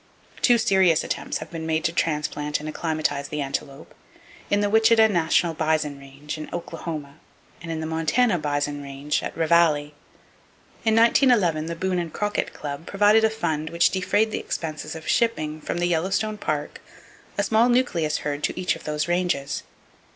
Two serious attempts have been made to transplant and acclimatize the [Page 161] antelope—in the Wichita National Bison Range, in Oklahoma, and in the Montana Bison Range, at Ravalli. In 1911 the Boone and Crockett Club provided a fund which defrayed the expenses of shipping from the Yellowstone Park a small nucleus herd to each of those ranges.